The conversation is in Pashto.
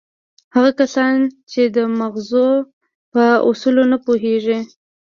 هغه کسان چې د ماغزو په اصولو نه پوهېږي.